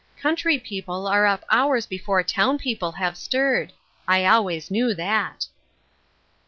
" Country people are up hours before town peo ple have stirred ; I always knew that."